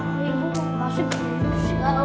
ibu harus menghukum kalian